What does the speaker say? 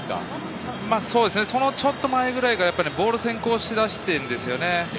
そのちょっと前くらいからボール先行しだしているんですよね。